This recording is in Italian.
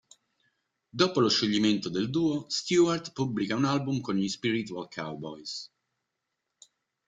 Dopo lo scioglimento del duo, Stewart pubblica un album con gli Spiritual Cowboys.